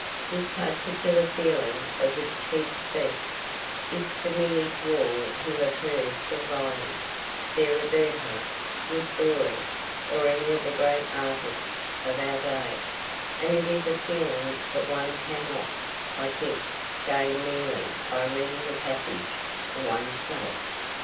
This particular feeling, of which Keats speaks, is familiar to all who have heard Salvini, Sarah Bernhardt, Ristori, or any of the great artists of our day, and it is a feeling that one cannot, I think, gain merely by reading the passage to oneself.